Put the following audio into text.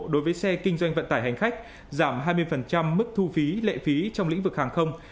đối với xe kinh doanh vận tải hành khách giảm hai mươi mức thu phí lệ phí trong lĩnh vực hàng không